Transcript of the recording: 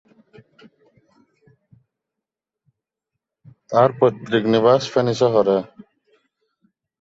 তার পৈতৃক নিবাস ফেনী শহরে।